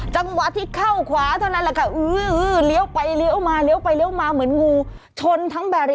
จังหวะที่เข้าขวาเท่านั้นแหละค่ะอือหือเหลียวไปมา